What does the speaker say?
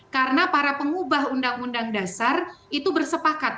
karena para pengubah undang undang dasar itu bersepakat